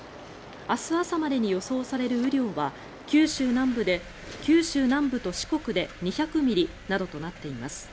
明日朝までに予想される雨量は九州南部と四国で２００ミリなどとなっています。